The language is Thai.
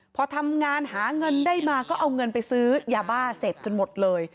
พอทำงานหาเงินได้มาก็เอาเงินไปซื้อยาบ้าเสพจนหมดเลย